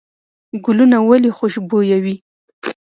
ګلونه ولې خوشبویه وي؟